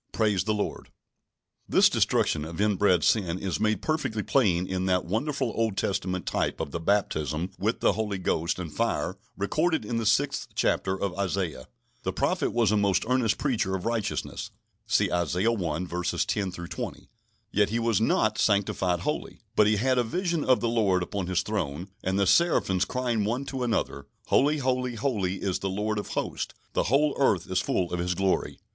Praise the Lord! This destruction of inbred sin is made perfectly plain in that wonderful Old Testament type of the baptism with the Holy Ghost and fire recorded in the sixth chapter of Isaiah. The prophet was a most earnest preacher of righteousness (see Isaiah i. 10 20), yet he was not sanctified wholly. But he had a vision of the Lord upon His Throne, and the seraphims crying one to another: "Holy, holy, holy is the Lord of Hosts: the whole earth is full of His glory."